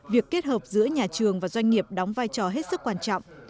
việc kết hợp giữa nhà trường và doanh nghiệp đóng vai trò hết sức quan trọng